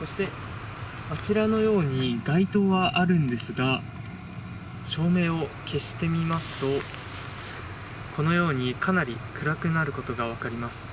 そしてあちらのように、街灯はあるんですが、照明を消してみますと、このようにかなり暗くなることが分かります。